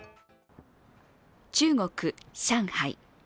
中国・上海。